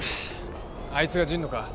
あいつは。